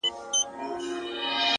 • ټوله شپه خوبونه وي؛